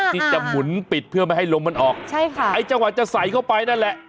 ที่จะหมุนปิดเพื่อไม่ให้ลมมันออกใช่ค่ะไอ้จังหวะจะใส่เข้าไปนั่นแหละ